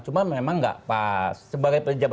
cuma memang engga pas